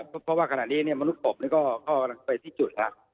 เพราะว่าขนาดนี้มนุษย์ปกรณ์ก็ไปที่จุดแล้ว